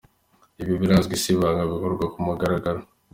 Ibi birazwi si ibanga bikorwa kumugaragaro.